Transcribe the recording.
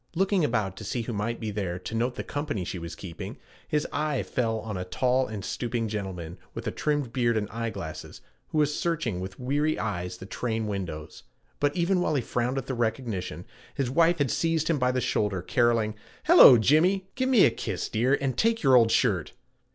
Looking about to see who might be there to note the company she was keeping, his eye fell on a tall and stooping gentleman with a trimmed beard and eyeglasses, who was searching with weary eyes the train windows; but even while he frowned at the recognition, his wife had seized him by the shoulder, caroling, 'Hello, Jimmy. Give me a kiss, dear, and take your old shirt.'